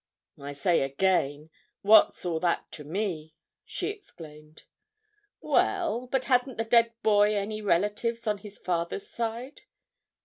"I say again what's all that to me?" she exclaimed. "Well, but hadn't the dead boy any relatives on his father's side?"